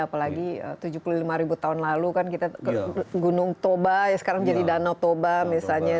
apalagi tujuh puluh lima ribu tahun lalu kan kita gunung toba ya sekarang jadi danau toba misalnya